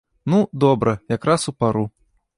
Ну, добра, якраз у пару.